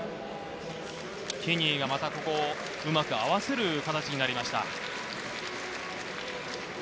ケニーがうまく合わせる形になりました。